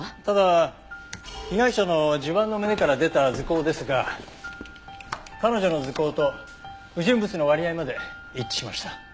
ただ被害者の襦袢の胸から出た塗香ですが彼女の塗香と不純物の割合まで一致しました。